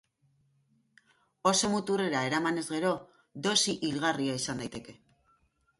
Oso muturrera eramanez gero, dosi hilgarria izan daiteke.